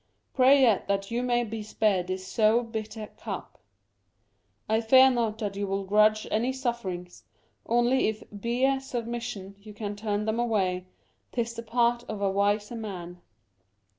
Pray yet that you may be spared this soe bitter, cup. I fear not that you will grudge any sufferings : only if bie submission you can turn them away, 'tis the part of a wise man.